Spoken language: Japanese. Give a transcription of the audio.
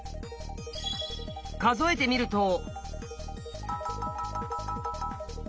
数えてみると。